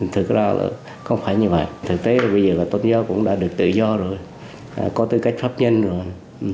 thực ra là không phải như vậy thực tế bây giờ là tôn giáo cũng đã được tự do rồi có tư cách pháp nhân rồi